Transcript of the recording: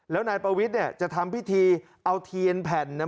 แล้วนายประวิทย์เนี่ยจะทำพิธีเอาเทียนแผ่นเนี่ย